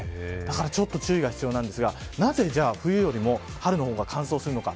だから、注意が必要なんですがなぜ、冬よりも春の方が乾燥するのか。